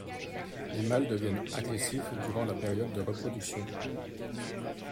Les mâles deviennent agressifs durant la période de reproduction.